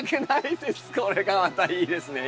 これがまたいいですね。